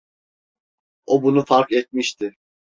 O bunu fark etmişti.